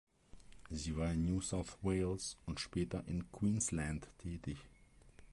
Sie war in New South Wales und später in Queensland tätig.